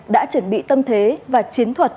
đã chuẩn bị tâm thế và chiến thuật